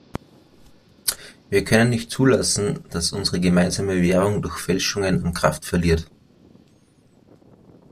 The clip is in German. Wir können nicht zulassen, dass unsere gemeinsame Währung durch Fälschungen an Kraft verliert.